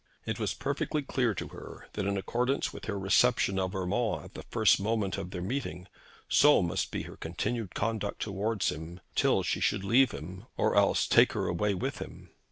It was perfectly clear to her that in accordance with her reception of Urmand at the first moment of their meeting, so must be her continued conduct towards him, till he should leave her, or else take her away with him.